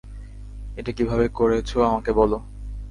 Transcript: এটা কিভাবে করেছ আমাকে বল!